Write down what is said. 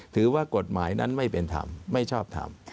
ถือว่ากฎหมายนั้นไม่เป็นธรรมไม่ชอบทำ